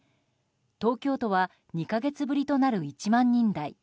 東京都は２か月ぶりとなる１万人台。